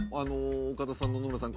岡田さん野々村さん